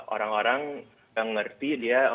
orang orang yang ngerti di indonesia